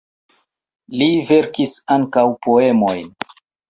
Li verkis ankaŭ poemojn.